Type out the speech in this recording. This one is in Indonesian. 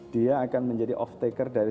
dia akan menjadi off taker dari